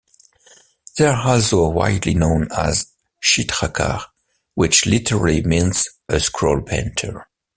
They are also widely known as Chitrakar, which literally means a scroll painter.